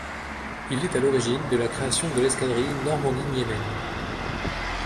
Il est à l'origine de la création de l'escadrille Normandie-Niemen.